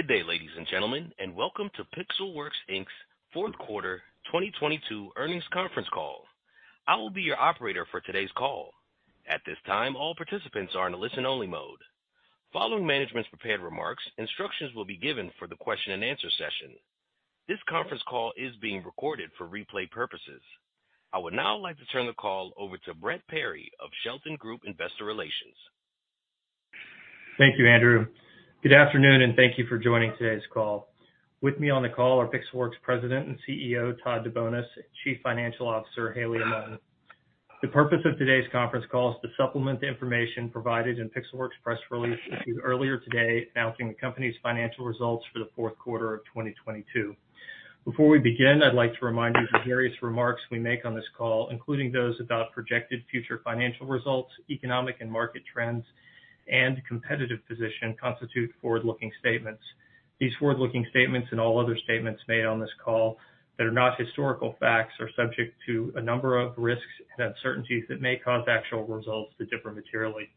Good day, ladies and gentlemen, and welcome to Pixelworks, Inc.'s 4th quarter 2022 earnings Conference Call. I will be your operator for today's call. At this time, all participants are in a listen-only mode. Following management's prepared remarks, instructions will be given for the question and answer session. This Conference Call is being recorded for replay purposes. I would now like to turn the call over to Brett Perry of Shelton Group Investor Relations. Thank you, Andrew. Good afternoon, and thank you for joining today's call. With me on the call are Pixelworks President and CEO, Todd DeBonis, and Chief Financial Officer, Haley Aman. The purpose of today's Conference Call is to supplement the information provided in Pixelworks' press release issued earlier today announcing the company's financial results for the fourth quarter of 2022. Before we begin, I'd like to remind you that various remarks we make on this call, including those about projected future financial results, economic and market trends, and competitive position, constitute forward-looking statements. These forward-looking statements and all other statements made on this call that are not historical facts are subject to a number of risks and uncertainties that may cause actual results to differ materially.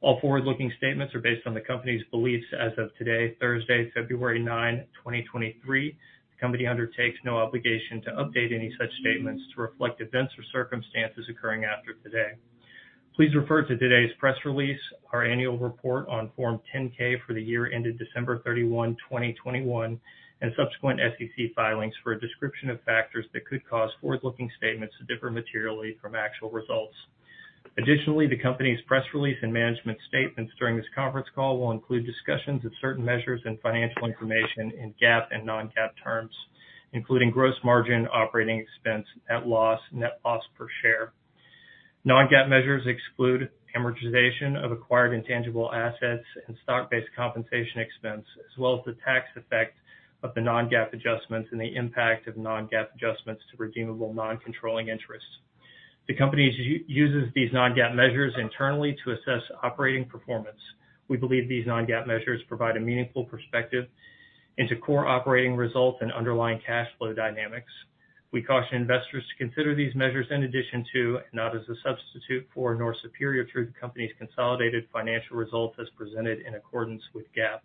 All forward-looking statements are based on the company's beliefs as of today, Thursday, February 9, 2023. The company undertakes no obligation to update any such statements to reflect events or circumstances occurring after today. Please refer to today's press release, our annual report on Form 10-K for the year ended 31st December 2021, and subsequent SEC filings for a description of factors that could cause forward-looking statements to differ materially from actual results. The company's press release and management statements during this conference call will include discussions of certain measures and financial information in GAAP and non-GAAP terms, including gross margin, operating expense, net loss, and net loss per share. Non-GAAP measures exclude amortization of acquired intangible assets and stock-based compensation expense, as well as the tax effect of the non-GAAP adjustments and the impact of non-GAAP adjustments to redeemable non-controlling interests. The company uses these non-GAAP measures internally to assess operating performance. We believe these non-GAAP measures provide a meaningful perspective into core operating results and underlying cash flow dynamics. We caution investors to consider these measures in addition to, and not as a substitute for, nor superior to the company's consolidated financial results as presented in accordance with GAAP.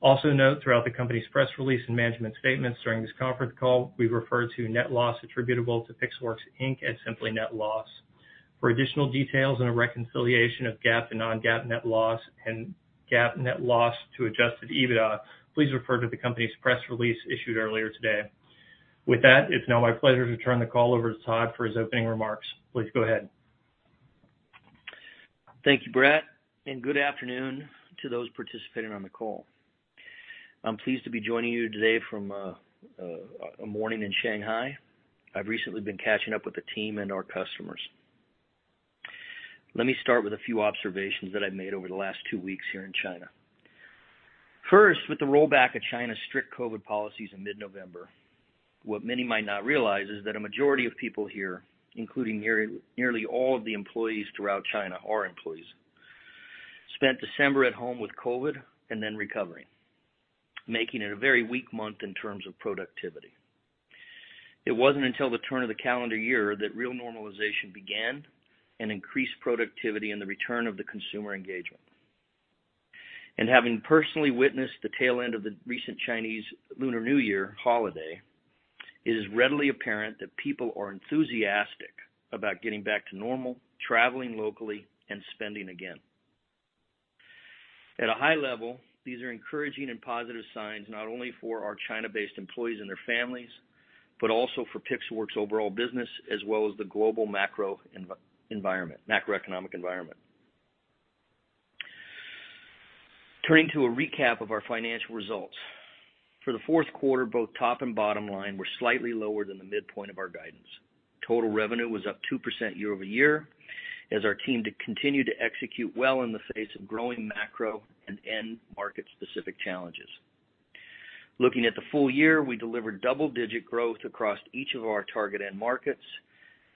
Also note, throughout the company's press release and management statements during this conference call, we refer to net loss attributable to Pixelworks Inc. as simply net loss. For additional details and a reconciliation of GAAP to non-GAAP net loss and GAAP net loss to adjusted EBITDA, please refer to the company's press release issued earlier today. With that, it's now my pleasure to turn the call over to Todd for his opening remarks. Please go ahead. Thank you, Brett, and good afternoon to those participating on the call. I'm pleased to be joining you today from a morning in Shanghai. I've recently been catching up with the team and our customers. Let me start with a few observations that I've made over the last two weeks here in China. First, with the rollback of China's strict COVID policies in mid-November, what many might not realize is that a majority of people here, including nearly all of the employees throughout China, our employees, spent December at home with COVID and then recovering, making it a very weak month in terms of productivity. It wasn't until the turn of the calendar year that real normalization began and increased productivity and the return of the consumer engagement. Having personally witnessed the tail end of the recent Chinese Lunar New Year holiday, it is readily apparent that people are enthusiastic about getting back to normal, traveling locally, and spending again. At a high level, these are encouraging and positive signs, not only for our China-based employees and their families, but also for Pixelworks' overall business as well as the global macroeconomic environment. Turning to a recap of our financial results. For the fourth quarter, both top and bottom line were slightly lower than the midpoint of our guidance. Total revenue was up 2% year-over-year as our team to continue to execute well in the face of growing macro and end market-specific challenges. Looking at the full year, we delivered double-digit growth across each of our target end markets,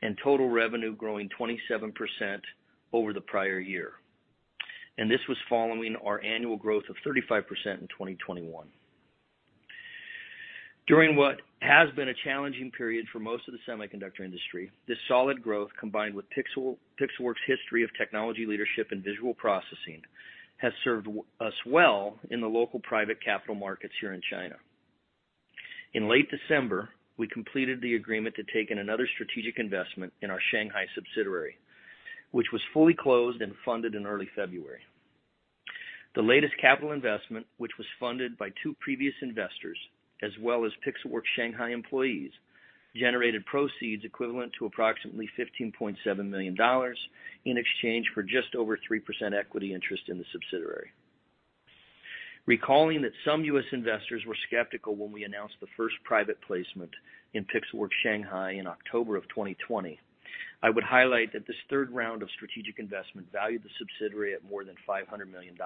and total revenue growing 27% over the prior year. This was following our annual growth of 35% in 2021. During what has been a challenging period for most of the semiconductor industry, this solid growth, combined with Pixelworks' history of technology leadership and visual processing, has served us well in the local private capital markets here in China. In late December, we completed the agreement to take in another strategic investment in our Shanghai subsidiary, which was fully closed and funded in early February. The latest capital investment, which was funded by two previous investors, as well as Pixelworks Shanghai employees, generated proceeds equivalent to approximately $15.7 million in exchange for just over 3% equity interest in the subsidiary. Recalling that some U.S. investors were skeptical when we announced the first private placement in Pixelworks Shanghai in October of 2020, I would highlight that this third round of strategic investment valued the subsidiary at more than $500 million.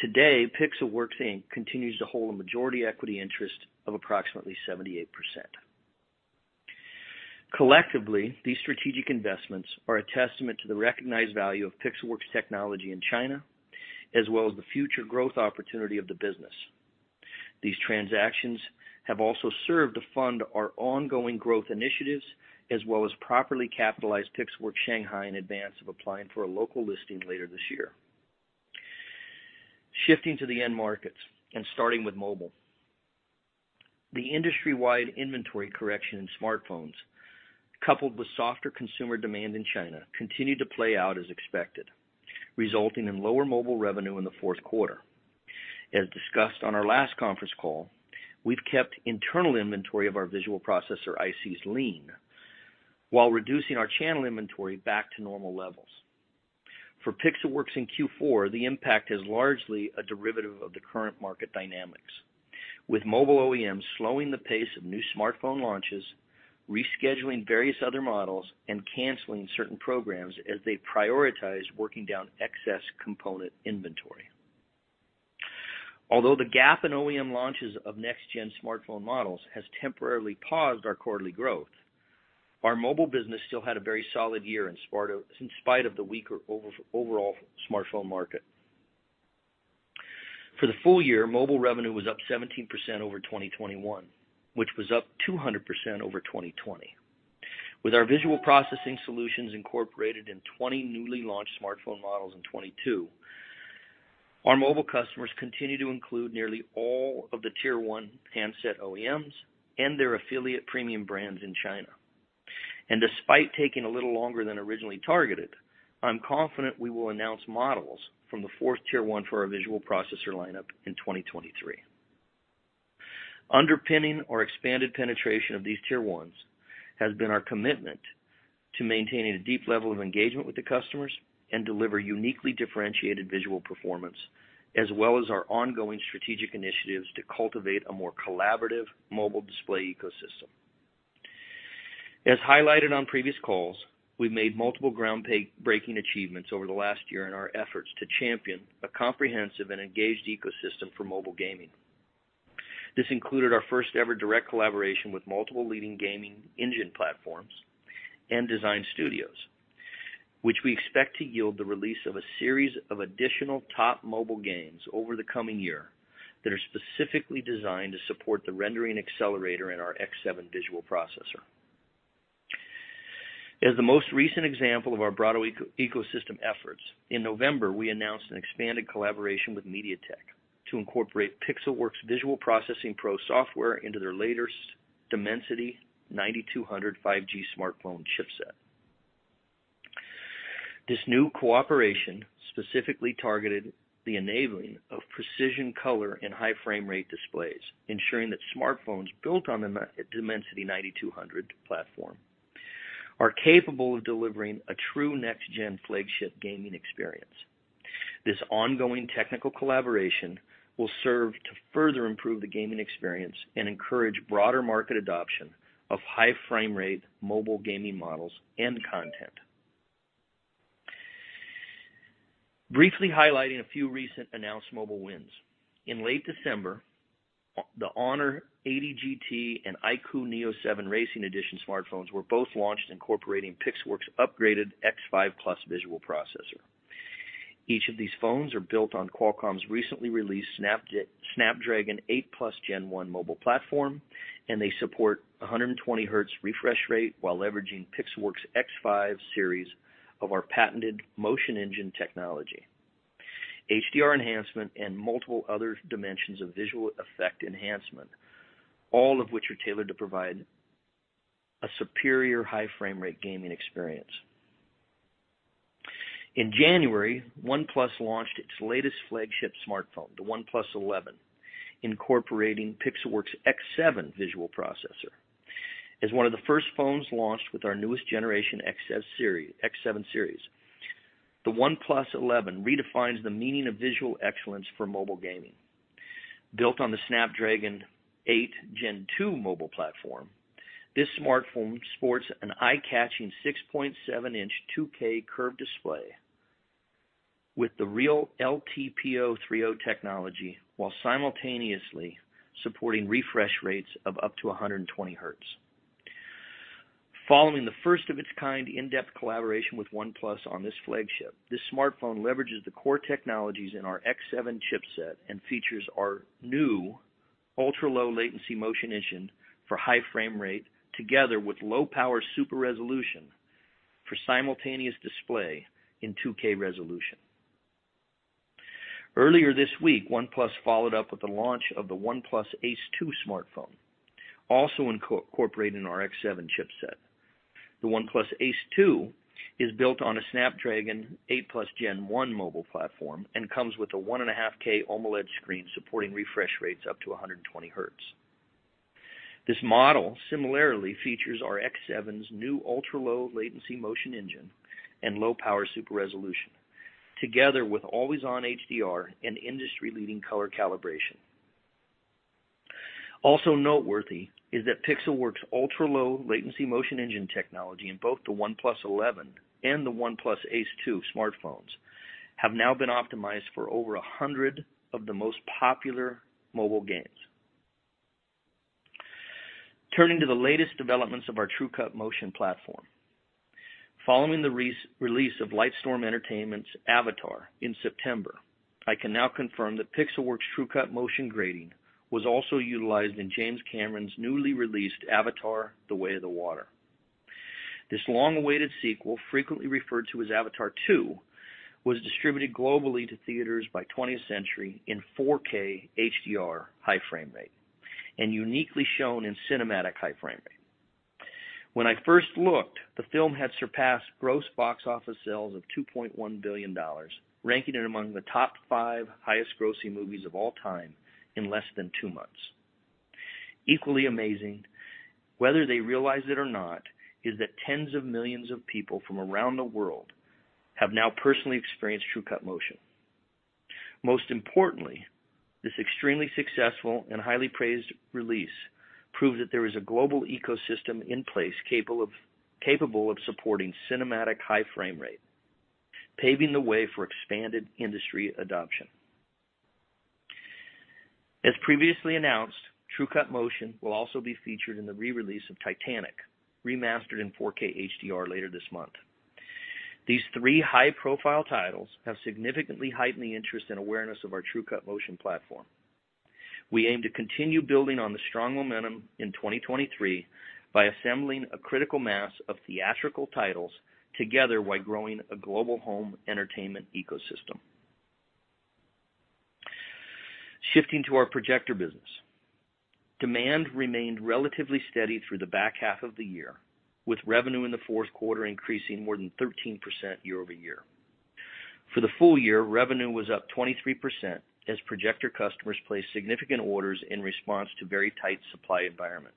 Today, Pixelworks Inc. continues to hold a majority equity interest of approximately 78%. Collectively, these strategic investments are a testament to the recognized value of Pixelworks technology in China, as well as the future growth opportunity of the business. These transactions have also served to fund our ongoing growth initiatives as well as properly capitalize Pixelworks Shanghai in advance of applying for a local listing later this year. Shifting to the end markets and starting with mobile. The industry-wide inventory correction in smartphones, coupled with softer consumer demand in China, continued to play out as expected, resulting in lower mobile revenue in the fourth quarter. As discussed on our last conference call, we've kept internal inventory of our visual processor ICs lean while reducing our channel inventory back to normal levels. For Pixelworks in Q4, the impact is largely a derivative of the current market dynamics, with mobile OEMs slowing the pace of new smartphone launches, rescheduling various other models, and canceling certain programs as they prioritize working down excess component inventory. Although the gap in OEM launches of next-gen smartphone models has temporarily paused our quarterly growth, our mobile business still had a very solid year in spite of the weaker overall smartphone market. For the full year, mobile revenue was up 17% over 2021, which was up 200% over 2020. With our visual processing solutions incorporated in 20 newly launched smartphone models in 2022, our mobile customers continue to include nearly all of the Tier One handset OEMs and their affiliate premium brands in China. Despite taking a little longer than originally targeted, I'm confident we will announce models from the fourth Tier one for our visual processor lineup in 2023. Underpinning our expanded penetration of these Tier ones has been our commitment to maintaining a deep level of engagement with the customers and deliver uniquely differentiated visual performance, as well as our ongoing strategic initiatives to cultivate a more collaborative mobile display ecosystem. As highlighted on previous calls, we've made multiple groundbreaking achievements over the last year in our efforts to champion a comprehensive and engaged ecosystem for mobile gaming. This included our first ever direct collaboration with multiple leading gaming engine platforms and design studios, which we expect to yield the release of a series of additional top mobile games over the coming year that are specifically designed to support the Rendering Accelerator in our X7 visual processor. As the most recent example of our broader ecosystem efforts, in November, we announced an expanded collaboration with MediaTek to incorporate Pixelworks Visual Processing Pro software into their latest Dimensity 9200 5G smartphone chipset. This new cooperation specifically targeted the enabling of precision color and high frame rate displays, ensuring that smartphones built on the Dimensity 9200 platform are capable of delivering a true next gen flagship gaming experience. This ongoing technical collaboration will serve to further improve the gaming experience and encourage broader market adoption of high frame rate mobile gaming models and content. Briefly highlighting a few recent announced mobile wins. In late December, the HONOR 80 GT and iQOO Neo7 Racing Edition smartphones were both launched incorporating Pixelworks upgraded X5 plus visual processor. Each of these phones are built on Qualcomm's recently released Snapdragon 8+ Gen 1 mobile platform, and they support 120 Hz refresh rate while leveraging Pixelworks X5 series of our patented MotionEngine technology, HDR enhancement, and multiple other dimensions of visual effect enhancement, all of which are tailored to provide a superior high frame rate gaming experience. In January, OnePlus launched its latest flagship smartphone, the OnePlus 11, incorporating Pixelworks X7 visual processor. As one of the first phones launched with our newest generation X7 series, the OnePlus 11 redefines the meaning of visual excellence for mobile gaming. Built on the Snapdragon 8 Gen 2 mobile platform, this smartphone sports an eye-catching 6.7-inch 2K curved display with the Real LTPO 3.0 technology while simultaneously supporting refresh rates of up to 120 hertz. Following the first of its kind in-depth collaboration with OnePlus on this flagship, this smartphone leverages the core technologies in our X7 chipset and features our new ultra-low latency MotionEngine for high frame rate together with low power super resolution for simultaneous display in 2K resolution. Earlier this week, OnePlus followed up with the launch of the OnePlus Ace 2 smartphone, also incorporating our X7 chipset. The OnePlus Ace 2 is built on a Snapdragon 8+ Gen 1 mobile platform and comes with a 1.5K AMOLED screen supporting refresh rates up to 120 hertz. This model similarly features our X7's new ultra-low latency MotionEngine and low power super resolution together with always-on HDR and industry-leading color calibration. Also noteworthy is that Pixelworks' ultra-low latency MotionEngine technology in both the OnePlus 11 and the OnePlus Ace 2 smartphones have now been optimized for over 100 of the most popular mobile games. Following the release of Lightstorm Entertainment's Avatar in September, I can now confirm that Pixelworks' TrueCut Motion grading was also utilized in James Cameron's newly released Avatar: The Way of Water. This long-awaited sequel, frequently referred to as Avatar 2, was distributed globally to theaters by 20th Century in 4K HDR high frame rate and uniquely shown in cinematic high frame rate. When I first looked, the film had surpassed gross box office sales of $2.1 billion, ranking it among the top five highest grossing movies of all time in less than two months. Equally amazing, whether they realize it or not, is that tens of millions of people from around the world have now personally experienced TrueCut Motion. Most importantly, this extremely successful and highly praised release proved that there is a global ecosystem in place capable of supporting cinematic high frame rate, paving the way for expanded industry adoption. As previously announced, TrueCut Motion will also be featured in the re-release of Titanic, remastered in 4K HDR later this month. These three high-profile titles have significantly heightened the interest and awareness of our TrueCut Motion platform. We aim to continue building on the strong momentum in 2023 by assembling a critical mass of theatrical titles together while growing a global home entertainment ecosystem. Shifting to our projector business. Demand remained relatively steady through the back half of the year, with revenue in the fourth quarter increasing more than 13% year-over-year. For the full year, revenue was up 23% as projector customers placed significant orders in response to very tight supply environment.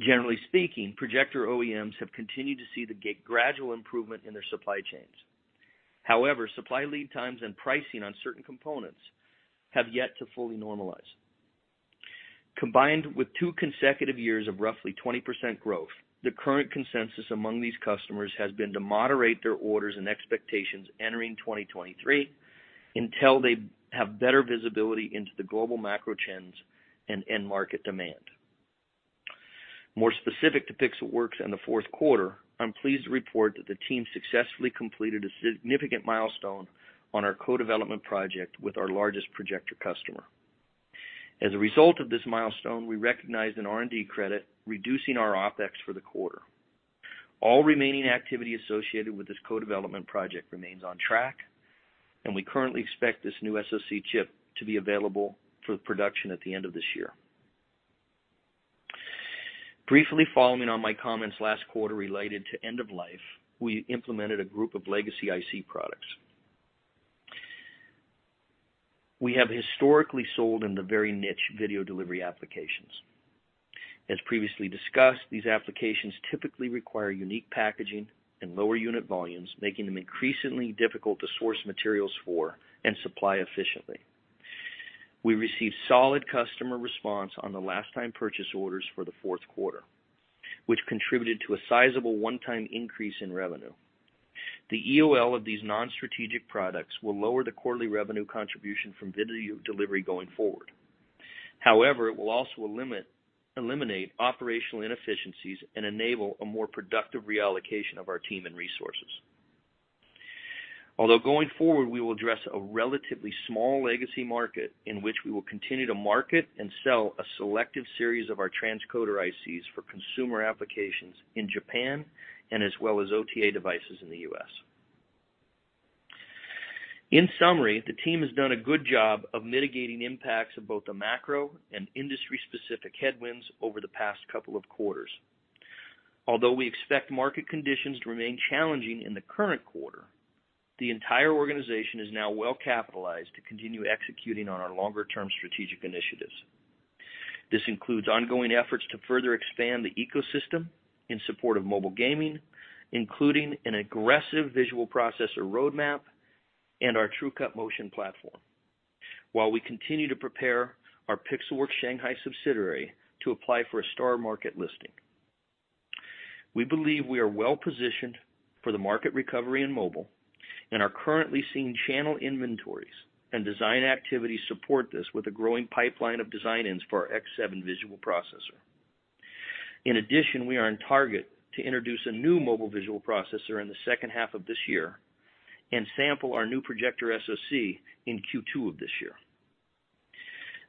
Generally speaking, projector OEMs have continued to see the gradual improvement in their supply chains. Supply lead times and pricing on certain components have yet to fully normalize. Combined with two consecutive years of roughly 20% growth, the current consensus among these customers has been to moderate their orders and expectations entering 2023 until they have better visibility into the global macro trends and end market demand. More specific to Pixelworks in the fourth quarter, I'm pleased to report that the team successfully completed a significant milestone on our co-development project with our largest projector customer. As a result of this milestone, we recognized an R&D credit, reducing our OpEx for the quarter. All remaining activity associated with this co-development project remains on track, and we currently expect this new SoC chip to be available for production at the end of this year. Briefly following on my comments last quarter related to end of life, we implemented a group of legacy IC products. We have historically sold in the very niche video delivery applications. As previously discussed, these applications typically require unique packaging and lower unit volumes, making them increasingly difficult to source materials for and supply efficiently. We received solid customer response on the last time purchase orders for the fourth quarter, which contributed to a sizable one-time increase in revenue. The EOL of these non-strategic products will lower the quarterly revenue contribution from video delivery going forward. It will also eliminate operational inefficiencies and enable a more productive reallocation of our team and resources. Going forward, we will address a relatively small legacy market in which we will continue to market and sell a selective series of our transcoder ICs for consumer applications in Japan and as well as OTA devices in the U.S. In summary, the team has done a good job of mitigating impacts of both the macro and industry-specific headwinds over the past couple of quarters. Although we expect market conditions to remain challenging in the current quarter, the entire organization is now well capitalized to continue executing on our longer-term strategic initiatives. This includes ongoing efforts to further expand the ecosystem in support of mobile gaming, including an aggressive visual processor roadmap and our TrueCut Motion platform, while we continue to prepare our Pixelworks Shanghai subsidiary to apply for a Star Market listing. We believe we are well positioned for the market recovery in mobile and are currently seeing channel inventories and design activities support this with a growing pipeline of design-ins for our X7 visual processor. In addition, we are on target to introduce a new mobile visual processor in the second half of this year and sample our new projector SoC in Q2 of this year.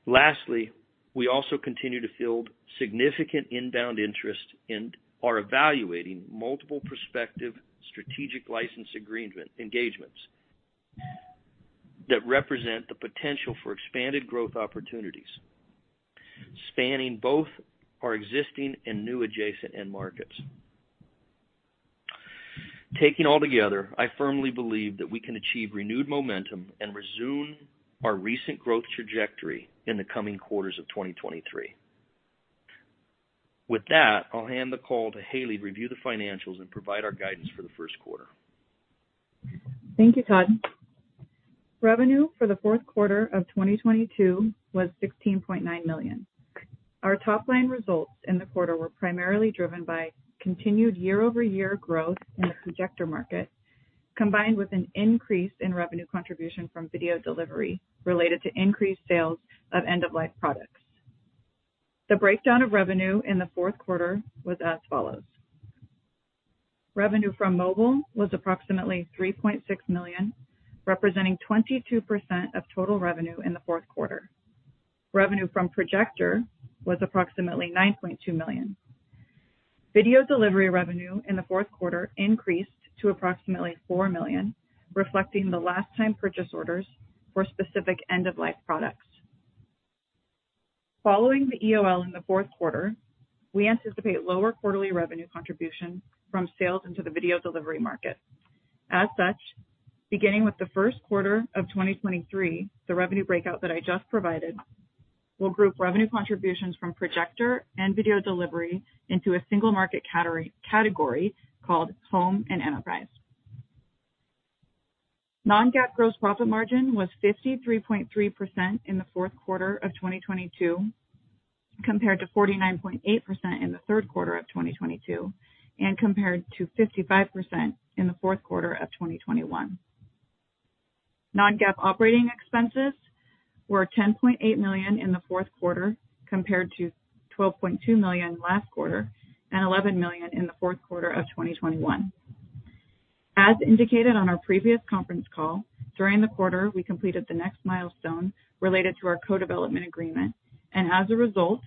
Lastly, we also continue to field significant inbound interest and are evaluating multiple prospective strategic license agreement engagements that represent the potential for expanded growth opportunities, spanning both our existing and new adjacent end markets. Taking all together, I firmly believe that we can achieve renewed momentum and resume our recent growth trajectory in the coming quarters of 2023. With that, I'll hand the call to Haley to review the financials and provide our guidance for the first quarter. Thank you, Todd. Revenue for the fourth quarter of 2022 was $16.9 million. Our top line results in the quarter were primarily driven by continued year-over-year growth in the projector market. Combined with an increase in revenue contribution from video delivery related to increased sales of end-of-life products. The breakdown of revenue in the fourth quarter was as follows. Revenue from mobile was approximately $3.6 million, representing 22% of total revenue in the fourth quarter. Revenue from projector was approximately $9.2 million. Video delivery revenue in the fourth quarter increased to approximately $4 million, reflecting the last time purchase orders for specific end-of-life products. Following the EOL in the fourth quarter, we anticipate lower quarterly revenue contribution from sales into the video delivery market. As such, beginning with the first quarter of 2023, the revenue breakout that I just provided will group revenue contributions from projector and video delivery into a single market category called Home and Enterprise. Non-GAAP gross profit margin was 53.3% in the fourth quarter of 2022, compared to 49.8% in the third quarter of 2022, and compared to 55% in the fourth quarter of 2021. Non-GAAP OpEx were $10.8 million in the fourth quarter compared to $12.2 million last quarter and $11 million in the fourth quarter of 2021. As indicated on our previous conference call, during the quarter, we completed the next milestone related to our co-development agreement, and as a result,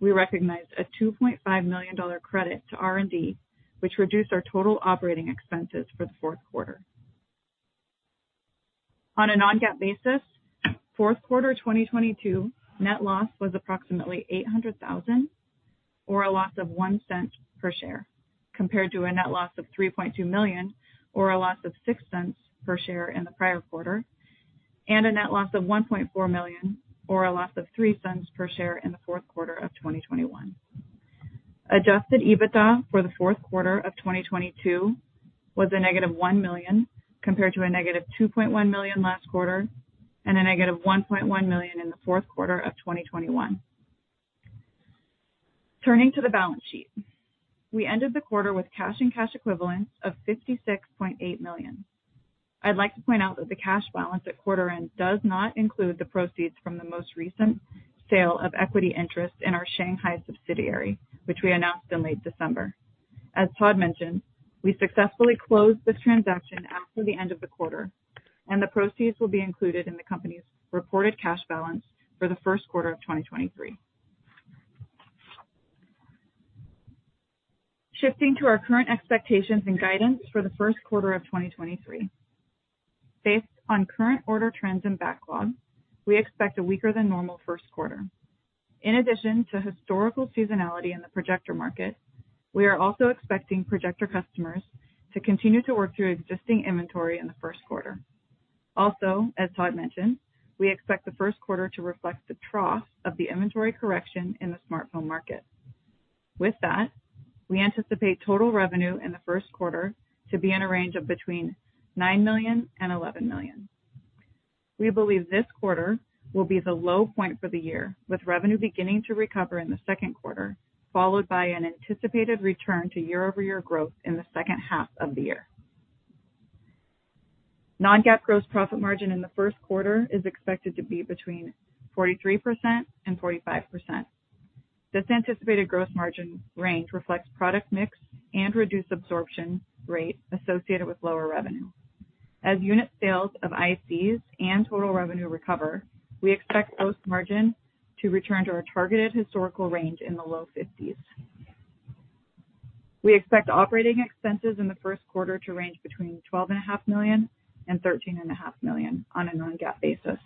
we recognized a $2.5 million credit to R&D, which reduced our total OpEx for the fourth quarter. On a non-GAAP basis, fourth quarter 2022 net loss was approximately $800,000 or a loss of $0.01 per share, compared to a net loss of $3.2 million or a loss of $0.06 per share in the prior quarter, and a net loss of $1.4 million or a loss of $0.03 per share in the fourth quarter of 2021. Adjusted EBITDA for the fourth quarter of 2022 was -$1 million compared to -$2.1 million last quarter and -$1.1 million in the fourth quarter of 2021. Turning to the balance sheet. We ended the quarter with cash and cash equivalents of $56.8 million. I'd like to point out that the cash balance at quarter end does not include the proceeds from the most recent sale of equity interest in our Shanghai subsidiary, which we announced in late December. As Todd mentioned, we successfully closed this transaction after the end of the quarter, and the proceeds will be included in the company's reported cash balance for the first quarter of 2023. Shifting to our current expectations and guidance for the first quarter of 2023. Based on current order trends and backlog, we expect a weaker than normal first quarter. In addition to historical seasonality in the projector market, we are also expecting projector customers to continue to work through existing inventory in the first quarter. Also, as Todd mentioned, we expect the first quarter to reflect the trough of the inventory correction in the smartphone market. With that, we anticipate total revenue in the first quarter to be in a range of between $9 million and $11 million. We believe this quarter will be the low point for the year, with revenue beginning to recover in the second quarter, followed by an anticipated return to year-over-year growth in the H2 of the year. Non-GAAP gross profit margin in the first quarter is expected to be between 43% and 45%. This anticipated gross margin range reflects product mix and reduced absorption rate associated with lower revenue. As unit sales of ICs and total revenue recover, we expect those margins to return to our targeted historical range in the low fifties. We expect operating expenses in the first quarter to range between $twelve and a half million and $thirteen and a half million on a non-GAAP basis.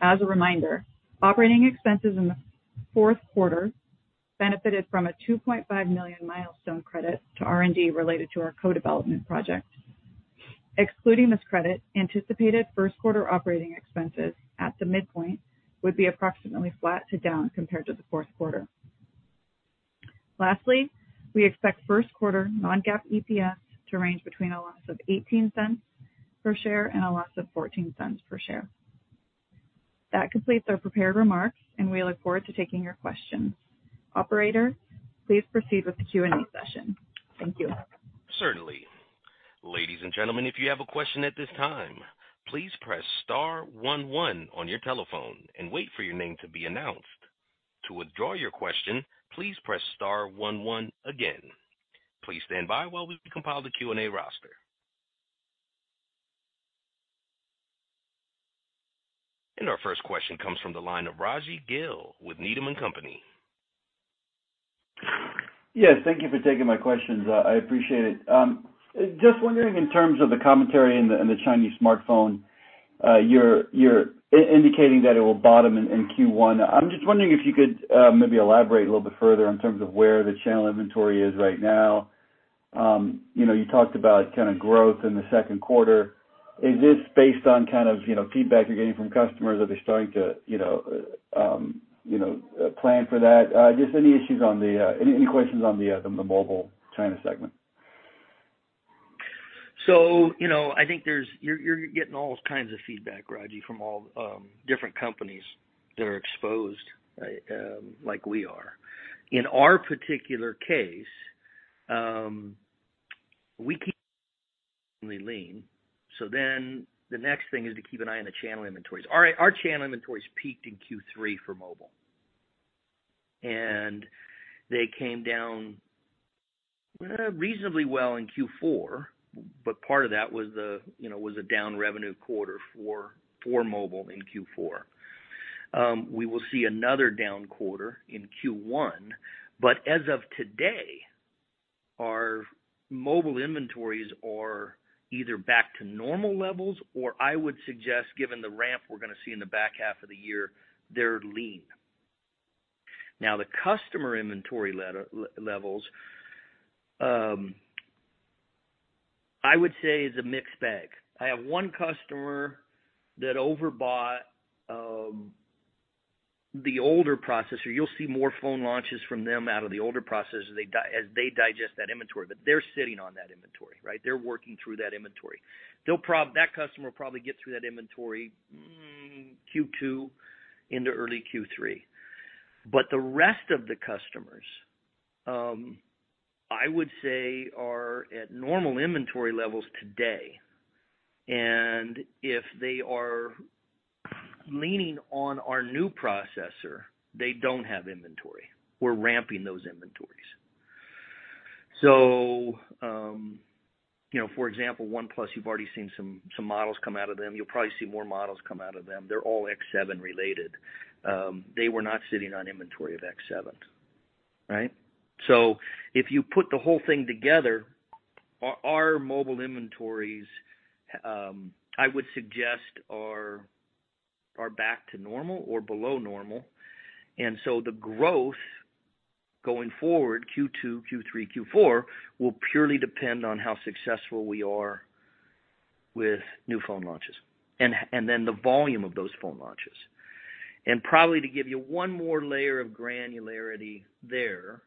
As a reminder, operating expenses in the fourth quarter benefited from a $2.5 million milestone credit to R&D related to our co-development project. Excluding this credit, anticipated first quarter operating expenses at the midpoint would be approximately flat to down compared to the fourth quarter. Lastly, we expect first quarter non-GAAP EPS to range between a loss of $0.18 per share and a loss of $0.14 per share. That completes our prepared remarks, and we look forward to taking your questions. Operator, please proceed with the Q&A session. Thank you. Certainly. Ladies and gentlemen, if you have a question at this time, please Press Star one one on your telephone and wait for your name to be announced. To withdraw your question, please Press Star one one again. Please stand by while we compile the Q&A roster. Our first question comes from the line of Rajvindra Gill with Needham & Company. Yes, thank you for taking my questions. I appreciate it. Just wondering in terms of the commentary in the Chinese smartphone, you're indicating that it will bottom in Q1. I'm just wondering if you could maybe elaborate a little bit further in terms of where the channel inventory is right now. You know, you talked about kind of growth in the second quarter. Is this based on kind of, you know, feedback you're getting from customers? Are they starting to, you know, plan for that? Just any issues on the, any questions on the mobile China segment? You know, I think you're getting all kinds of feedback, Raji, from all different companies that are exposed like we are. In our particular case, we keep lean. The next thing is to keep an eye on the channel inventories. Our channel inventories peaked in Q3 for mobile. They came down reasonably well in Q4, but part of that was the, you know, was a down revenue quarter for mobile in Q4. We will see another down quarter in Q1, but as of today, our mobile inventories are either back to normal levels or I would suggest, given the ramp we're gonna see in the back half of the year, they're lean. The customer inventory levels I would say is a mixed bag. I have one customer that overbought the older processor. You'll see more phone launches from them out of the older processor as they digest that inventory, but they're sitting on that inventory, right? That customer will probably get through that inventory Q2 into early Q3. The rest of the customers, I would say are at normal inventory levels today. If they are leaning on our new processor, they don't have inventory. We're ramping those inventories. You know, for example, OnePlus, you've already seen some models come out of them. You'll probably see more models come out of them. They're all X7 related. They were not sitting on inventory of X7, right? If you put the whole thing together, our mobile inventories, I would suggest are back to normal or below normal, the growth going forward, Q2, Q3, Q4, will purely depend on how successful we are with new phone launches, then the volume of those phone launches. Probably to give you one more layer of granularity there,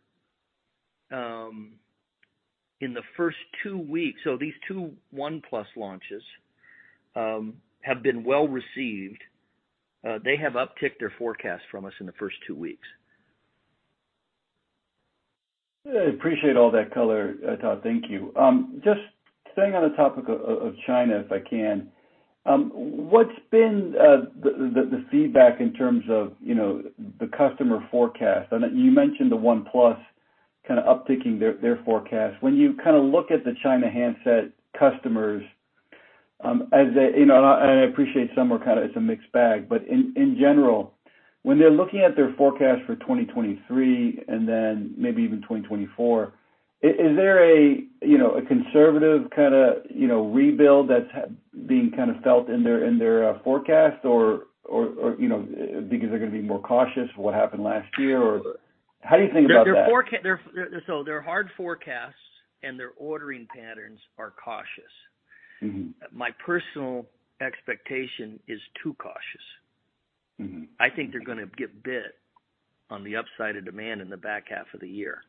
in the first two weeks. These two OnePlus launches, have been well-received. They have upticked their forecast from us in the first two weeks. I appreciate all that color, Todd. Thank you. Just staying on the topic of China, if I can, what's been the feedback in terms of, you know, the customer forecast? I know you mentioned the OnePlus kinda upticking their forecast. When you kinda look at the China handset customers, as they. You know, and I, and I appreciate some are kinda it's a mixed bag, but in general, when they're looking at their forecast for 2023 and then maybe even 2024, is there a, you know, a conservative kinda, you know, rebuild that's being kinda felt in their forecast or, you know, because they're gonna be more cautious for what happened last year or how do you think about that? Their hard forecasts and their ordering patterns are cautious. Mm-hmm. My personal expectation is too cautious. Mm-hmm. I think they're gonna get bit on the upside of demand in the back half of the year.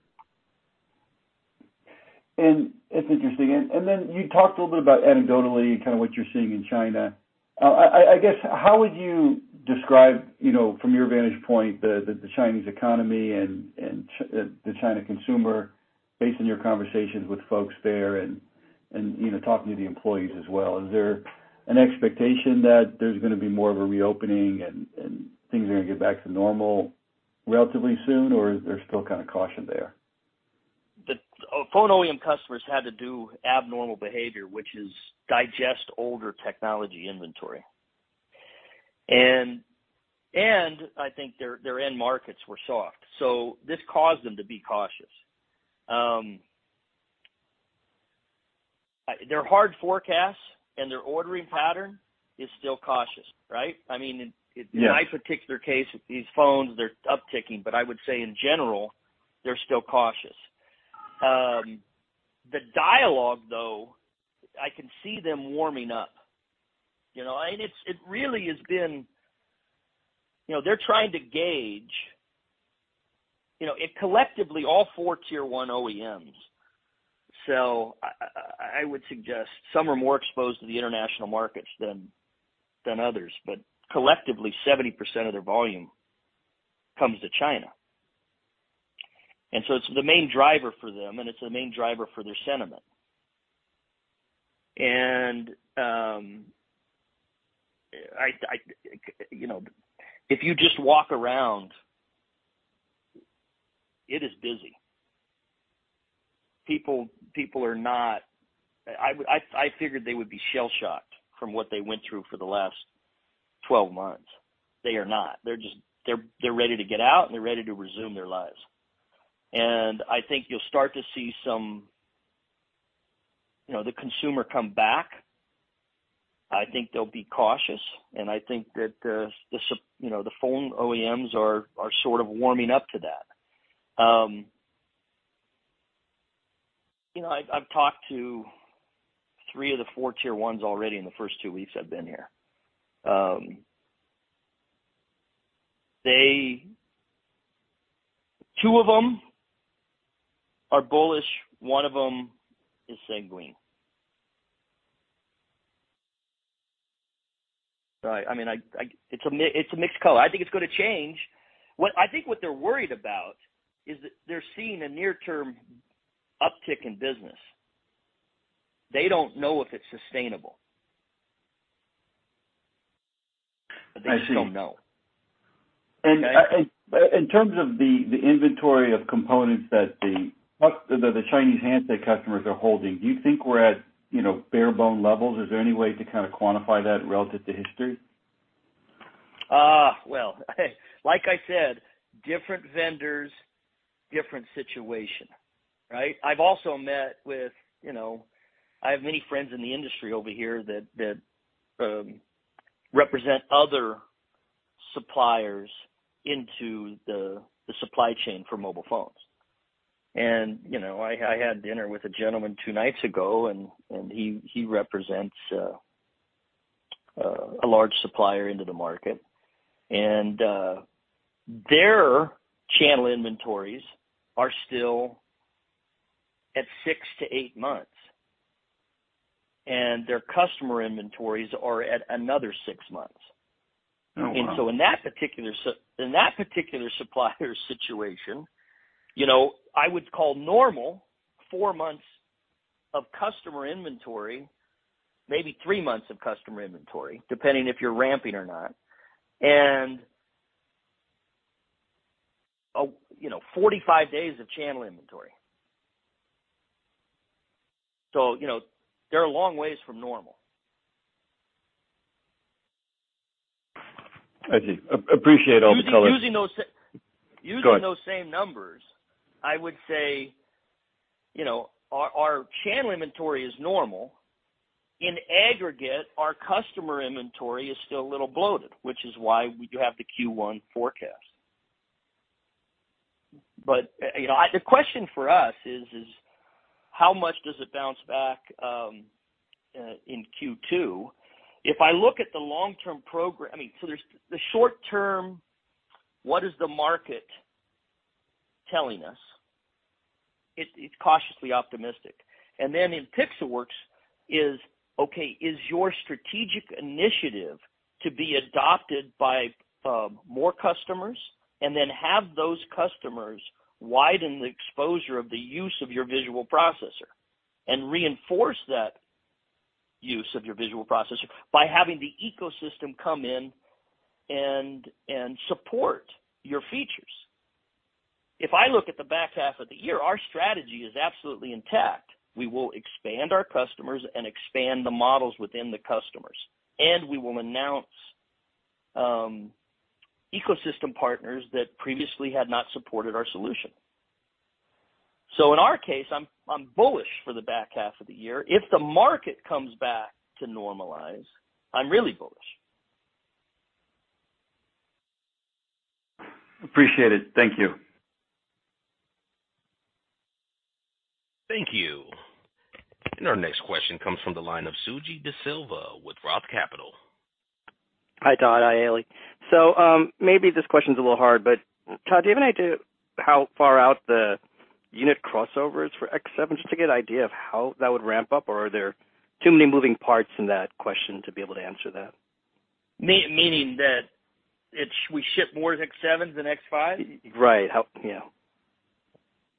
It's interesting. Then you talked a little bit about anecdotally kinda what you're seeing in China. I guess how would you describe, you know, from your vantage point, the Chinese economy and the China consumer based on your conversations with folks there and, you know, talking to the employees as well? Is there an expectation that there's gonna be more of a reopening and things are gonna get back to normal relatively soon, or is there still kinda caution there? The phone OEM customers had to do abnormal behavior, which is digest older technology inventory. I think their end markets were soft, this caused them to be cautious. Their hard forecasts and their ordering pattern is still cautious, right? I mean Yeah. In my particular case with these phones, they're upticking, but I would say in general, they're still cautious. The dialogue though, I can see them warming up, you know. It really has been. You know, they're trying to gauge, you know. Collectively, all four tier one OEMs sell, I would suggest some are more exposed to the international markets than others, but collectively, 70% of their volume comes to China. So it's the main driver for them, and it's the main driver for their sentiment. You know, if you just walk around, it is busy. People are not. I figured they would be shell-shocked from what they went through for the last 12 months. They are not. They're just, they're ready to get out, and they're ready to resume their lives. I think you'll start to see some, you know, the consumer come back. I think they'll be cautious, and I think that you know, the phone OEMs are sort of warming up to that. You know, I've talked to three of the four tier ones already in the first two weeks I've been here. two of them are bullish, one of them is sanguine. I mean, it's a mixed color. I think it's gonna change. I think what they're worried about is that they're seeing a near term uptick in business. They don't know if it's sustainable. I see. They just don't know. In terms of the inventory of components that the Chinese handset customers are holding, do you think we're at, you know, bare-bone levels? Is there any way to kind of quantify that relative to history? Well, like I said, different vendors, different situation, right? I've also met with. You know, I have many friends in the industry over here that represent other suppliers into the supply chain for mobile phones. You know, I had dinner with a gentleman two nights ago and he represents a large supplier into the market. Their channel inventories are still at 6 to 8 months, and their customer inventories are at another 6 months. Oh, wow. In that particular supplier situation, you know, I would call normal four months of customer inventory, maybe three months of customer inventory, depending if you're ramping or not, and, you know, 45 days of channel inventory. you know, they're a long ways from normal. I see. Appreciate all the color. Using those. Go ahead. Using those same numbers, I would say, you know, our channel inventory is normal. In aggregate, our customer inventory is still a little bloated, which is why we do have the Q1 forecast. The question for us is, how much does it bounce back in Q2? If I look at the long-term program. I mean, so there's the short term, what is the market telling us? It's cautiously optimistic. In Pixelworks is, okay, is your strategic initiative to be adopted by more customers and then have those customers widen the exposure of the use of your visual processor and reinforce that use of your visual processor by having the ecosystem come in and support your features. If I look at the back half of the year, our strategy is absolutely intact. We will expand our customers and expand the models within the customers, we will announce ecosystem partners that previously had not supported our solution. In our case, I'm bullish for the back half of the year. If the market comes back to normalize, I'm really bullish. Appreciate it. Thank you. Thank you. Our next question comes from the line of Suji Desilva with Roth Capital. Hi, Todd. Hi, Haley. Maybe this question's a little hard, Todd, do you have any idea how far out the unit crossover is for X7 just to get an idea of how that would ramp up? Are there too many moving parts in that question to be able to answer that? Meaning that we ship more X7s than X5? Right. How, you know.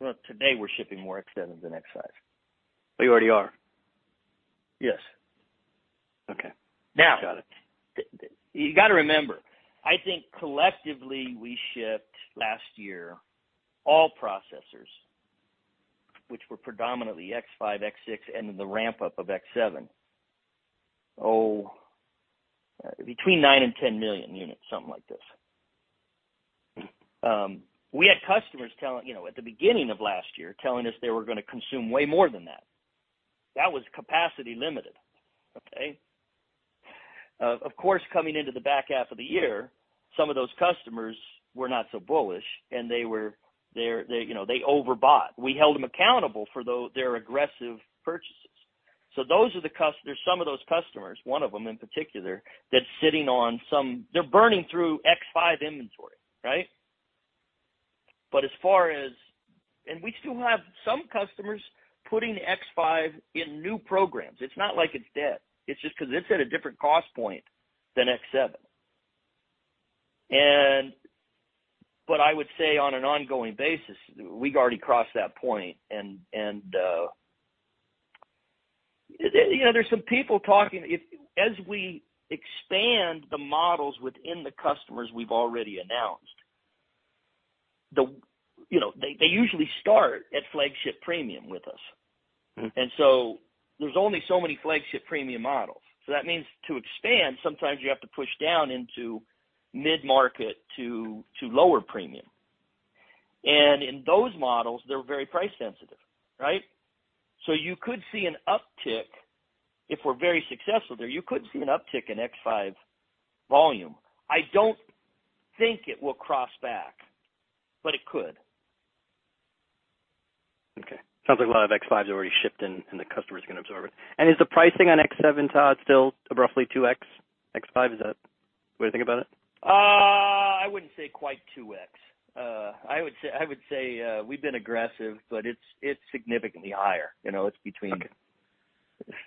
Well, today we're shipping more X7s than X5. Oh, you already are? Yes. Okay. Now Got it. You gotta remember, I think collectively, we shipped last year all processors, which were predominantly X5, X6, and then the ramp up of X7, between nine and 10 million units, something like this. We had customers telling, you know, at the beginning of last year, telling us they were gonna consume way more than that. That was capacity limited, okay? Of course, coming into the back half of the year, some of those customers were not so bullish, and you know, they overbought. We held them accountable for their aggressive purchases. There's some of those customers, one of them in particular, that's sitting on some. They're burning through X5 inventory, right? We still have some customers putting X5 in new programs. It's not like it's dead. It's just 'cause it's at a different cost point than X7. But I would say on an ongoing basis, we've already crossed that point. You know, there's some people talking if as we expand the models within the customers we've already announced. You know, they usually start at flagship premium with us. Mm-hmm. There's only so many flagship premium models. That means to expand, sometimes you have to push down into mid-market to lower premium. In those models, they're very price sensitive, right? You could see an uptick. If we're very successful there, you could see an uptick in X5 volume. I don't think it will cross back, but it could. Okay. Sounds like a lot of X5s are already shipped and the customers are gonna absorb it. Is the pricing on X7, Todd, still roughly 2x X5? Is that the way to think about it? I wouldn't say quite 2x. I would say, we've been aggressive, but it's significantly higher. You know, it's between. Okay.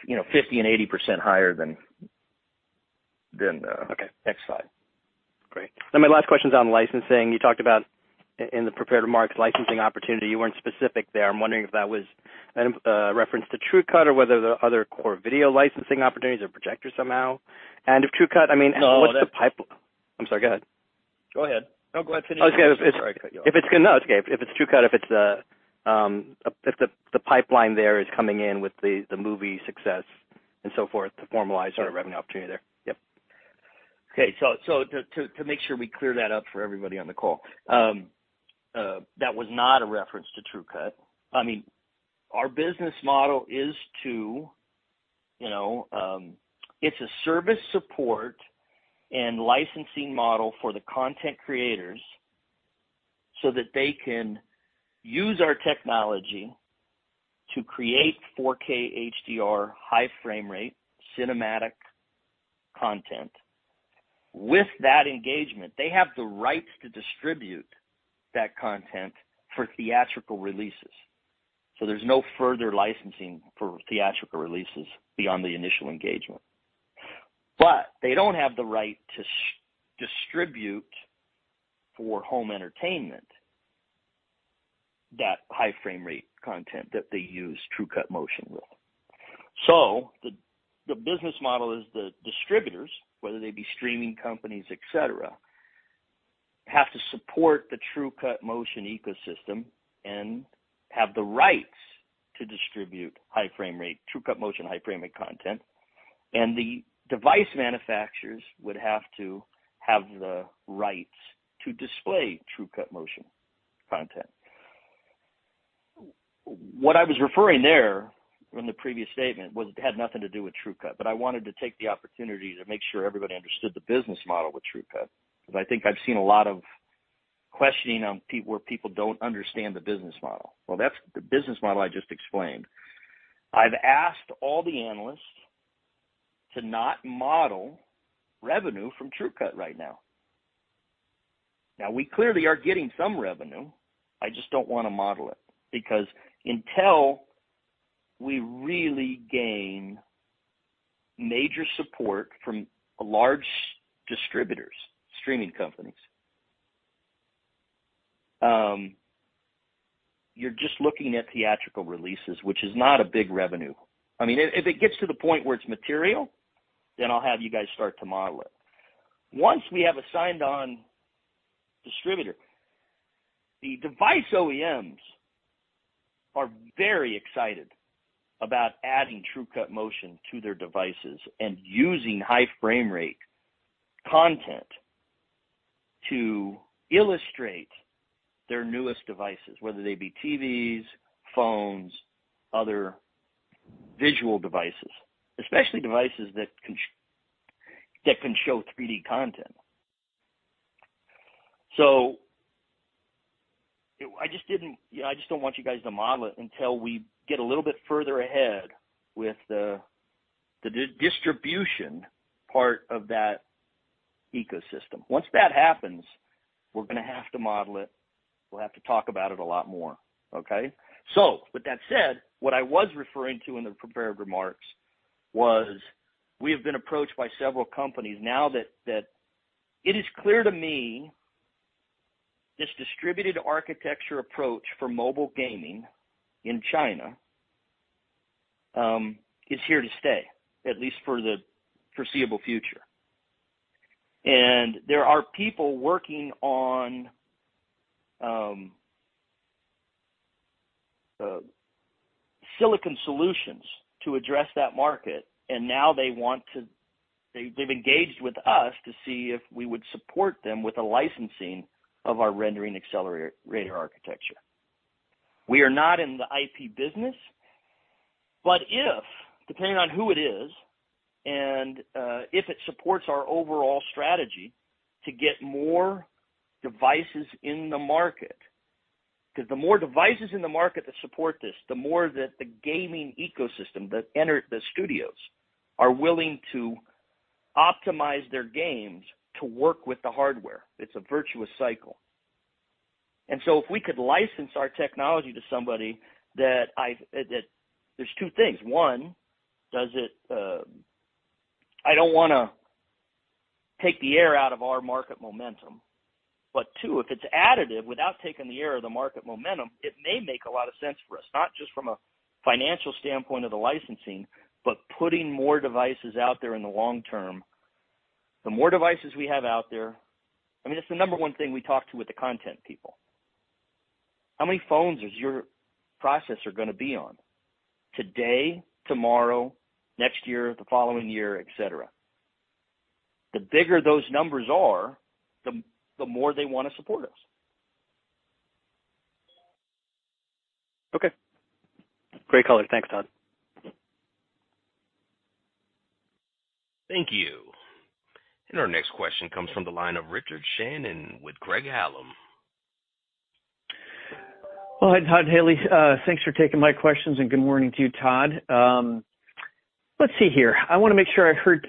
You know, 50% and 80% higher than... Okay. Next slide. Great. My last question is on licensing. You talked about in the prepared remarks, licensing opportunity. You weren't specific there. I'm wondering if that was referenced to TrueCut or whether there are other core video licensing opportunities or projectors somehow? If TrueCut, I mean. No. I'm sorry, go ahead. Go ahead. No, go ahead, finish. Oh, it's okay. Sorry to cut you off. If it's no, it's okay. If it's TrueCut, if it's the, if the pipeline there is coming in with the movie success and so forth to formalize. Sure. our revenue opportunity there. Yep. Okay. To make sure we clear that up for everybody on the call, that was not a reference to TrueCut. I mean, our business model is to, you know, it's a service support and licensing model for the content creators so that they can use our technology to create 4K HDR high frame rate cinematic content. With that engagement, they have the rights to distribute that content for theatrical releases. There's no further licensing for theatrical releases beyond the initial engagement. They don't have the right to distribute for home entertainment that high frame rate content that they use TrueCut Motion with. The business model is the distributors, whether they be streaming companies, et cetera, have to support the TrueCut Motion ecosystem and have the rights to distribute high frame rate, TrueCut Motion high frame rate content. The device manufacturers would have to have the rights to display TrueCut Motion content. What I was referring there in the previous statement was it had nothing to do with TrueCut, but I wanted to take the opportunity to make sure everybody understood the business model with TrueCut, because I think I've seen a lot of questioning on where people don't understand the business model. Well, that's the business model I just explained. I've asked all the analysts to not model revenue from TrueCut right now. Now, we clearly are getting some revenue. I just don't wanna model it because until we really gain major support from large distributors, streaming companies, you're just looking at theatrical releases, which is not a big revenue. I mean, if it gets to the point where it's material, then I'll have you guys start to model it. Once we have a signed on distributor, the device OEMs are very excited about adding TrueCut Motion to their devices and using high frame rate content to illustrate their newest devices, whether they be TVs, phones, other visual devices, especially devices that can show 3D content. I just didn't, you know, I just don't want you guys to model it until we get a little bit further ahead with the distribution part of that ecosystem. Once that happens, we're gonna have to model it. We'll have to talk about it a lot more, okay? With that said, what I was referring to in the prepared remarks was we have been approached by several companies now that it is clear to me this distributed architecture approach for mobile gaming in China is here to stay, at least for the foreseeable future. There are people working on silicon solutions to address that market, and now they want to. They've engaged with us to see if we would support them with a licensing of our Rendering Accelerator architecture. We are not in the IP business, but if, depending on who it is and if it supports our overall strategy to get more devices in the market. The more devices in the market that support this, the more that the gaming ecosystem that enter the studios are willing to optimize their games to work with the hardware. It's a virtuous cycle. If we could license our technology to somebody that there's two things. One, does it. I don't wanna take the air out of our market momentum. Two, if it's additive, without taking the air of the market momentum, it may make a lot of sense for us, not just from a financial standpoint of the licensing, but putting more devices out there in the long term. The more devices we have out there. I mean, it's the number one thing we talk to with the content people. How many phones is your processor gonna be on today, tomorrow, next year, the following year, et cetera? The bigger those numbers are, the more they wanna support us. Okay. Great color. Thanks, Todd. Thank you. Our next question comes from the line of Richard Shannon with Craig-Hallum. Well, hi Todd, Haley. Thanks for taking my questions and good morning to you, Todd. Let's see here. I wanna make sure I heard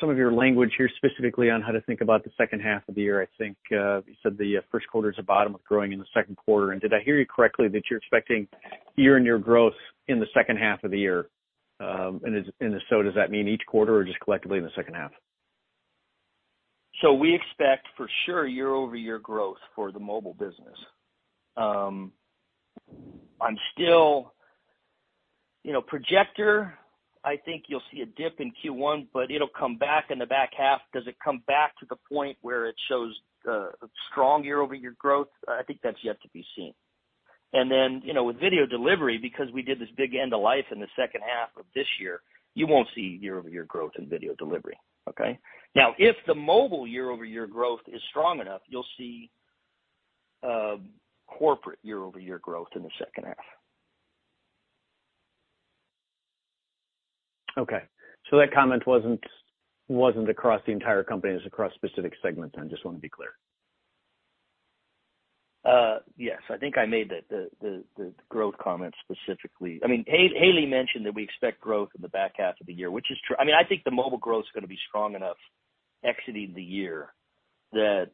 some of your language here, specifically on how to think about the second half of the year. I think, you said the first quarter is the bottom of growing in the second quarter. Did I hear you correctly that you're expecting year-over-year growth in the second half of the year? If so does that mean each quarter or just collectively in the second half? We expect for sure year-over-year growth for the mobile business. I'm still, you know, projector, I think you'll see a dip in Q1, but it'll come back in the back half. Does it come back to the point where it shows strong year-over-year growth? I think that's yet to be seen. You know, with video delivery, because we did this big end of life in the second half of this year, you won't see year-over-year growth in video delivery, okay? If the mobile year-over-year growth is strong enough, you'll see corporate year-over-year growth in the second half. Okay. That comment wasn't across the entire company, it's across specific segments. I just wanna be clear. Yes. I think I made the growth comment specifically. I mean, Haley mentioned that we expect growth in the back half of the year, which is true. I mean, I think the mobile growth is gonna be strong enough exiting the year that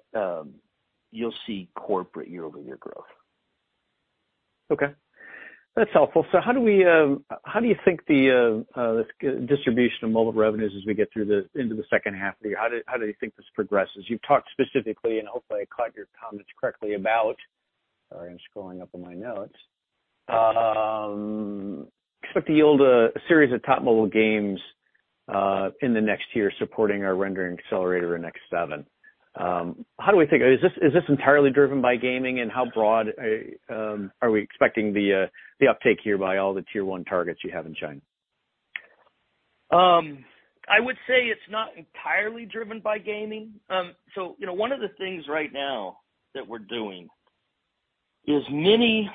you'll see corporate year-over-year growth. Okay. That's helpful. How do we, how do you think this distribution of mobile revenues as we get into the second half of the year, how do you think this progresses? You've talked specifically, and hopefully I caught your comments correctly about... Sorry, I'm scrolling up on my notes. Expect to yield a series of top mobile games in the next year supporting our Rendering Accelerator in X7. How do we think. Is this entirely driven by gaming? How broad are we expecting the uptake here by all the tier one targets you have in China? I would say it's not entirely driven by gaming. you know, one of the things right now that we're doing is many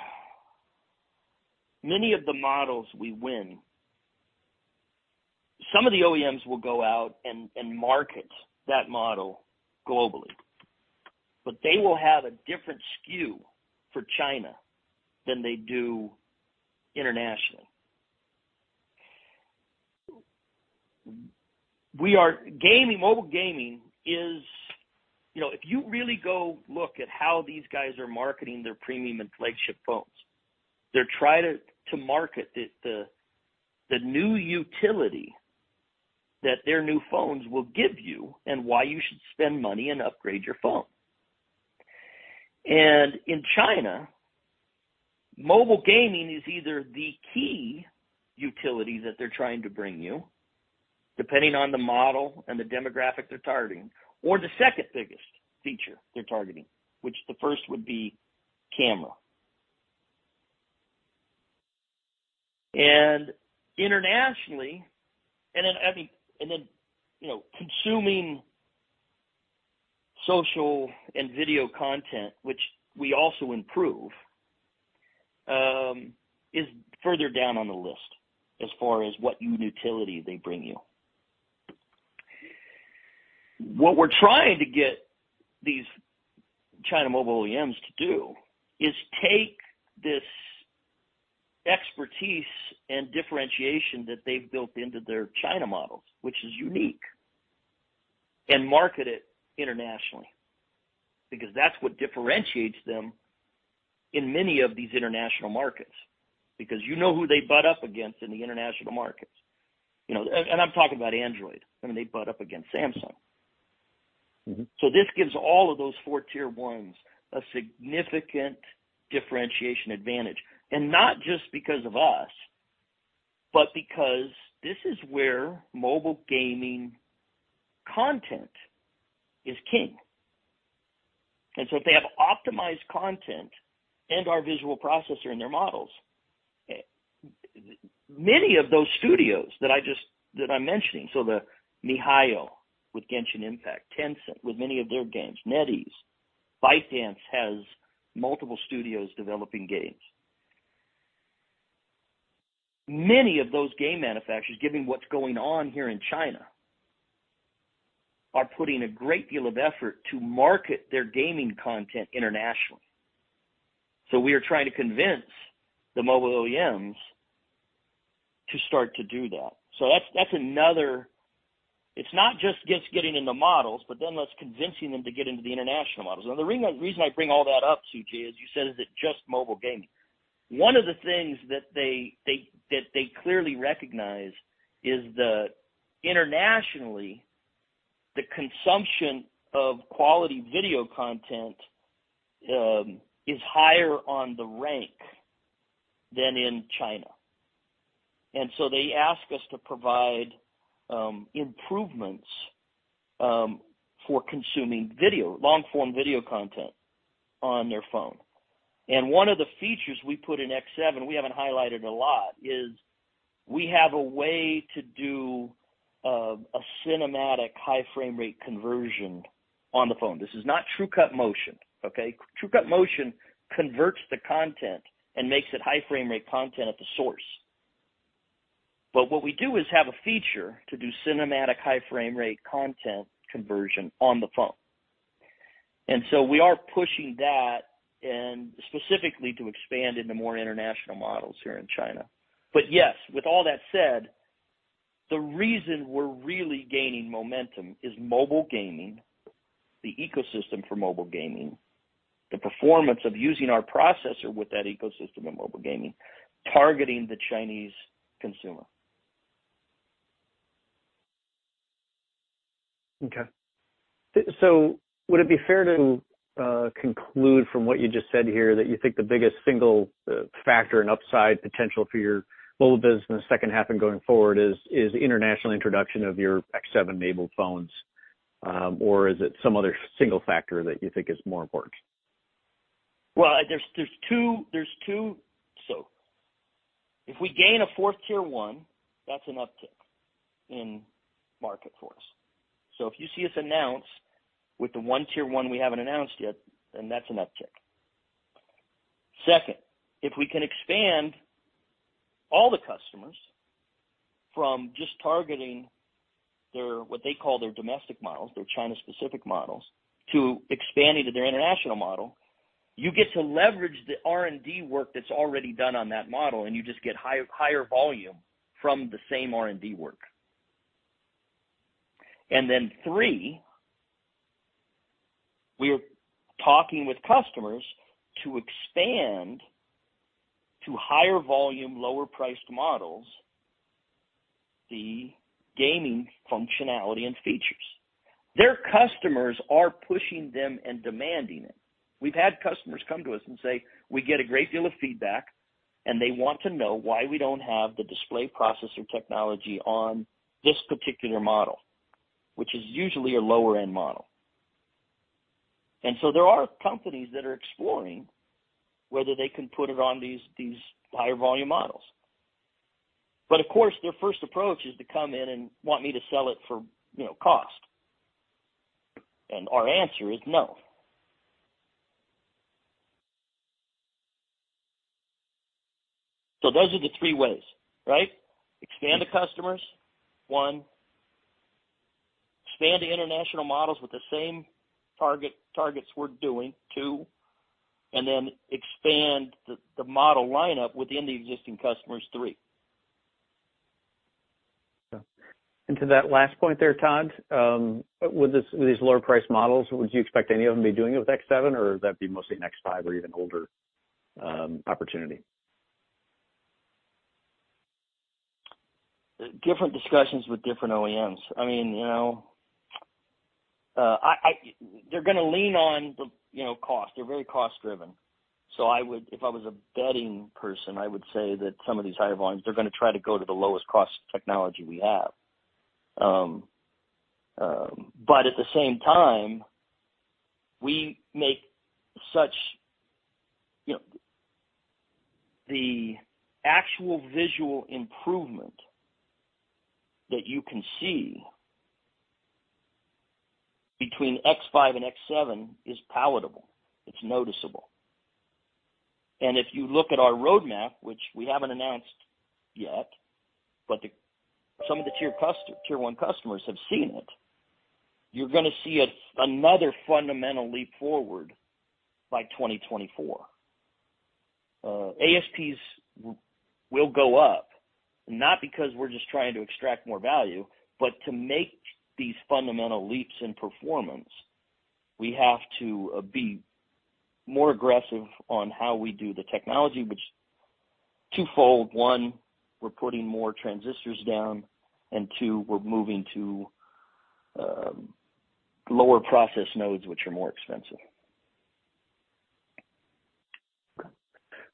of the models we win, some of the OEMs will go out and market that model globally, but they will have a different SKU for China than they do internationally. Gaming, mobile gaming is, you know, if you really go look at how these guys are marketing their premium and flagship phones, they're trying to market the new utility that their new phones will give you and why you should spend money and upgrade your phone. In China, mobile gaming is either the key utility that they're trying to bring you, depending on the model and the demographic they're targeting, or the second biggest feature they're targeting, which the first would be camera. Internationally, and then, I mean, and then, you know, consuming social and video content, which we also improve, is further down on the list as far as what new utility they bring you. What we're trying to get these China mobile OEMs to do is take this expertise and differentiation that they've built into their China models, which is unique, and market it internationally, because that's what differentiates them in many of these international markets, because you know who they butt up against in the international markets. You know, I'm talking about Android, and they butt up against Samsung. Mm-hmm. This gives all of those four tier ones a significant differentiation advantage. Not just because of us, but because this is where mobile gaming content is king. If they have optimized content and our visual processor in their models, many of those studios that I'm mentioning, so the miHoYo with Genshin Impact, Tencent with many of their games, NetEase, ByteDance has multiple studios developing games. Many of those game manufacturers, given what's going on here in China, are putting a great deal of effort to market their gaming content internationally. We are trying to convince the mobile OEMs to start to do that. That's, that's another. It's not just gets getting in the models, but then us convincing them to get into the international models. Now, the reason I bring all that up, CJ, is you said, is it just mobile gaming? One of the things that they clearly recognize is the, internationally, the consumption of quality video content is higher on the rank than in China. They ask us to provide improvements for consuming video, long-form video content on their phone. One of the features we put in X7 we haven't highlighted a lot is we have a way to do a cinematic high frame rate conversion on the phone. This is not TrueCut Motion, okay? TrueCut Motion converts the content and makes it high frame rate content at the source. What we do is have a feature to do cinematic high frame rate content conversion on the phone. We are pushing that and specifically to expand into more international models here in China. With all that said, the reason we're really gaining momentum is mobile gaming, the ecosystem for mobile gaming, the performance of using our processor with that ecosystem in mobile gaming, targeting the Chinese consumer. Would it be fair to conclude from what you just said here that you think the biggest single factor and upside potential for your mobile business second half and going forward is international introduction of your X7-enabled phones? Or is it some other single factor that you think is more important? There's two. If we gain a 4th tier one, that's an uptick in market for us. If you see us announce with the one tier one we haven't announced yet, that's an uptick. Second, if we can expand all the customers from just targeting their, what they call their domestic models, their China-specific models, to expanding to their international model, you get to leverage the R&D work that's already done on that model, and you just get higher volume from the same R&D work. three, we're talking with customers to expand to higher volume, lower priced models, the gaming functionality and features. Their customers are pushing them and demanding it. We've had customers come to us and say, "We get a great deal of feedback, and they want to know why we don't have the display processor technology on this particular model," which is usually a lower end model. There are companies that are exploring whether they can put it on these higher volume models. Of course, their first approach is to come in and want me to sell it for, you know, cost. Our answer is no. Those are the three ways, right? Expand the customers, one. Expand the international models with the same targets we're doing, two. Expand the model lineup within the existing customers, three. Yeah. To that last point there, Todd, with this, with these lower priced models, would you expect any of them to be doing it with X7 or would that be mostly an X5 or even older opportunity? Different discussions with different OEMs. I mean, you know, they're gonna lean on the, you know, cost. They're very cost driven. If I was a betting person, I would say that some of these higher volumes, they're gonna try to go to the lowest cost technology we have. At the same time, we make such, you know... The actual visual improvement that you can see between X5 and X7 is palatable. It's noticeable. If you look at our roadmap, which we haven't announced yet, some of the tier one customers have seen it, you're gonna see another fundamental leap forward by 2024. ASPs will go up, not because we're just trying to extract more value, but to make these fundamental leaps in performance, we have to be more aggressive on how we do the technology. Which two fold, one, we're putting more transistors down, and two, we're moving to lower process nodes which are more expensive.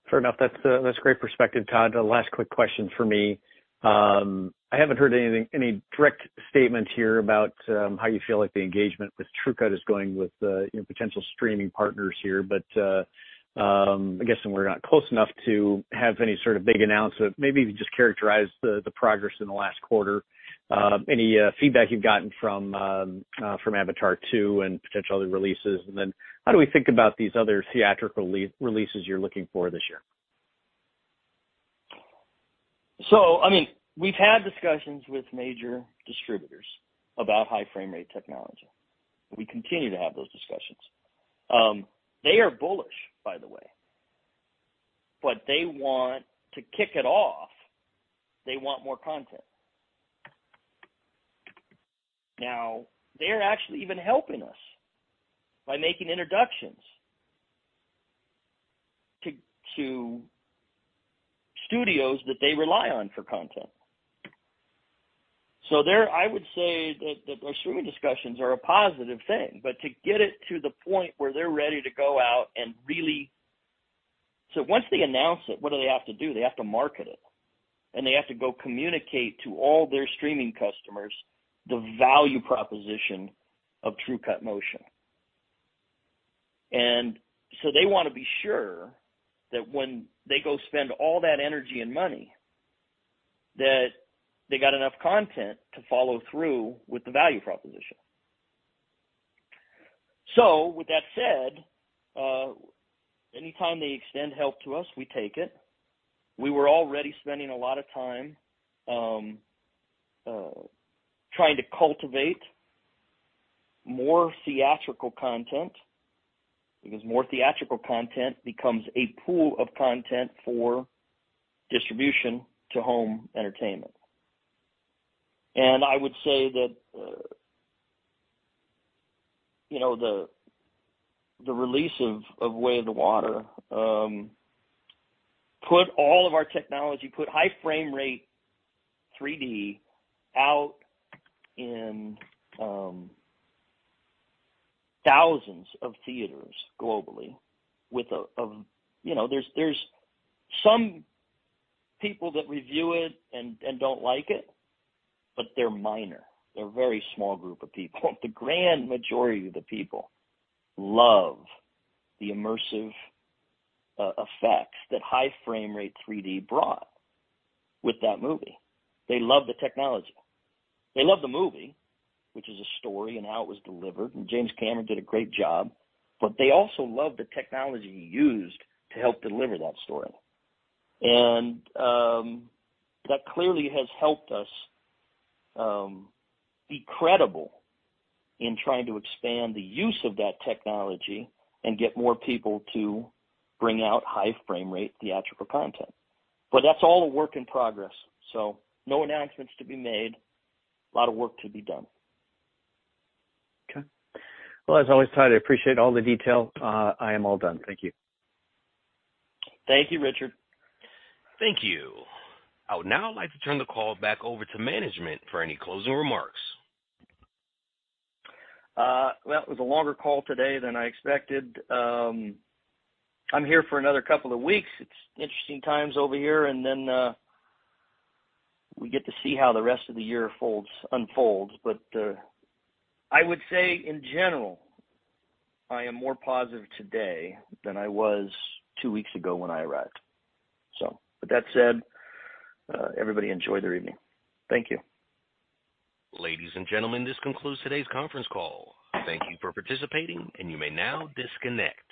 Fair enough. That's great perspective, Todd. Last quick question for me. I haven't heard anything, any direct statement here about how you feel like the engagement with TrueCut Motion is going with, you know, potential streaming partners here. I'm guessing we're not close enough to have any sort of big announcement. Maybe if you just characterize the progress in the last quarter, any feedback you've gotten from Avatar two and potential other releases. Then how do we think about these other theatrical releases you're looking for this year? I mean, we've had discussions with major distributors about high frame rate technology. We continue to have those discussions. They are bullish, by the way, but they want to kick it off. They want more content. They're actually even helping us by making introductions to studios that they rely on for content. There, I would say that our streaming discussions are a positive thing. To get it to the point where they're ready to go out. Once they announce it, what do they have to do? They have to market it, and they have to go communicate to all their streaming customers the value proposition of TrueCut Motion. They wanna be sure that when they go spend all that energy and money, that they got enough content to follow through with the value proposition. Anytime they extend help to us, we take it. We were already spending a lot of time trying to cultivate more theatrical content because more theatrical content becomes a pool of content for distribution to home entertainment. I would say that, you know, the release of Way of the Water, put all of our technology, put high frame rate 3D out in thousands of theaters globally. You know, there's some people that review it and don't like it, but they're minor. They're a very small group of people. The grand majority of the people love the immersive effects that high frame rate 3D brought with that movie. They love the technology. They love the movie, which is a story and how it was delivered. James Cameron did a great job. They also love the technology he used to help deliver that story. That clearly has helped us be credible in trying to expand the use of that technology and get more people to bring out high frame rate theatrical content. That's all a work in progress, so no announcements to be made. A lot of work to be done. As always, Todd, I appreciate all the detail. I am all done. Thank you. Thank you, Richard. Thank you. I would now like to turn the call back over to management for any closing remarks. Well, it was a longer call today than I expected. I'm here for another couple of weeks. It's interesting times over here, and we get to see how the rest of the year unfolds. I would say in general, I am more positive today than I was two weeks ago when I arrived. With that said, everybody enjoy their evening. Thank you. Ladies and gentlemen, this concludes today's Conference Call. Thank you for participating, and you may now disconnect.